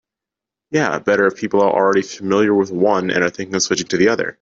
Yeah, better if people are already familiar with one and are thinking of switching to the other.